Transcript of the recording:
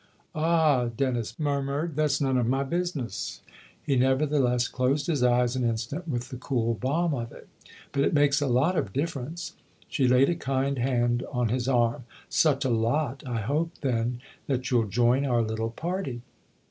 " Ah/' Dennis murmured, " that's none of my business !" He nevertheless closed his eyes an instant with the cool balm of it. " But it makes a lot of difference." She laid a kind hand on his arm. " Such a lot, I hope, then, that you'll join our little party